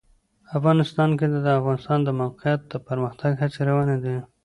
افغانستان کې د د افغانستان د موقعیت د پرمختګ هڅې روانې دي.